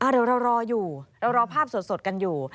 เดี๋ยวเรารออยู่เรารอภาพสดกันอยู่